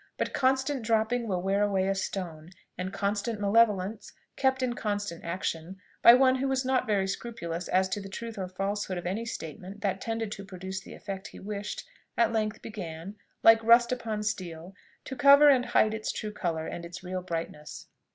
But constant dropping will wear away a stone; and constant malevolence, kept in constant action, by one who was not very scrupulous as to the truth or falsehood of any statement that tended to produce the effect he wished, at length began, like rust upon steel, to cover and hide its true colour and its real brightness.